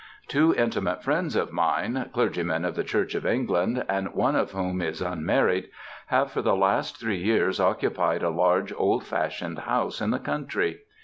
Two intimate friends of mine (clergymen of the Church of England) and one of whom is unmarried, have for the last three years occupied a large old fashioned house in the country.